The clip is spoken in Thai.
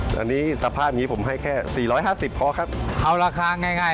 ไม่๓๐๐บาทผมเอามาก็ต้องมาซ่อมอีก